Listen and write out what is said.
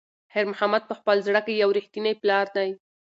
خیر محمد په خپل زړه کې یو رښتینی پلار دی.